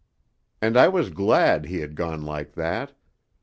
And I was glad he had gone like that.